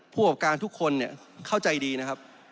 ผู้ออกการทุกคนเนี่ยเข้าใจดีนะครับ